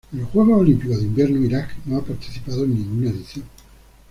En los Juegos Olímpicos de Invierno Irak no ha participado en ninguna edición.